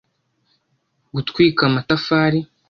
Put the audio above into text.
gutwika amatafari